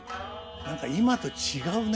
何か今と違うね。